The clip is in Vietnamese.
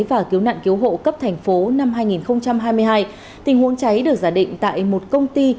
và cứu nạn cứu hộ cấp thành phố năm hai nghìn hai mươi hai tình huống cháy được giả định tại một công ty